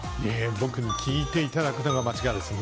僕に聞いていただくのが間違いです。